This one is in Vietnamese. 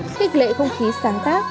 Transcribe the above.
kích lệ không khí sáng tác